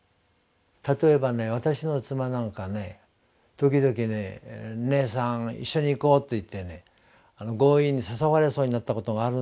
例えばね私の妻なんか時々ね「姉さん一緒に行こう」と言って強引に誘われそうになったことがあるんですね。